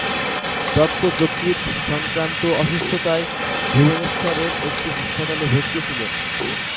দত্ত যকৃত-সংক্রান্ত অসুস্থতায় ভুবনেশ্বরের একটি হাসপাতালে ভর্তি ছিলেন।